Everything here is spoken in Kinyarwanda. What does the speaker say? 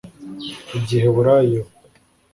igiheburayo